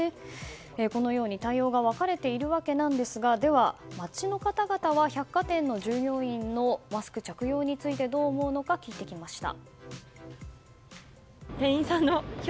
このように、対応が分かれているわけなんですがでは、街の方々は百貨店の従業員のマスク着用についてどう思うのか聞いてきました。